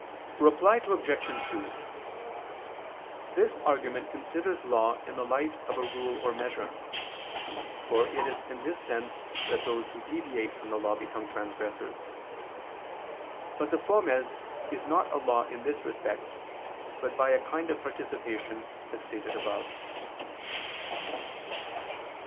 Reply Obj. 2: This argument considers law in the light of a rule or measure: for it is in this sense that those who deviate from the law become transgressors. But the fomes is not a law in this respect, but by a kind of participation, as stated above.